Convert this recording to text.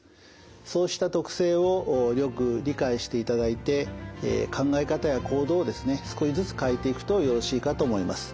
そうした特性をよく理解していただいて考え方や行動をですね少しずつ変えていくとよろしいかと思います。